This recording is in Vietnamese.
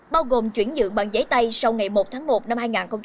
bao gồm chuyển dựng bằng giấy tay sau ngày một tháng một năm hai nghìn tám